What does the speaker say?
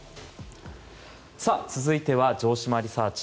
続いては城島リサーチ！